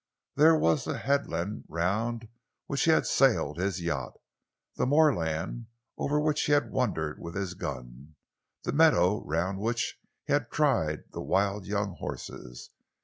There was the headland round which he had sailed his yacht, the moorland over which he had wandered with his gun, the meadow round which he had tried the wild young horses.